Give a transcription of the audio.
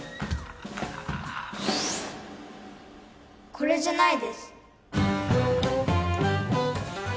これじゃないです。